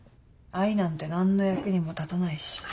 愛なんて何の役にも立たないし。